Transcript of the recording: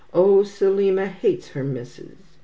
Oh, Selima hates her missus!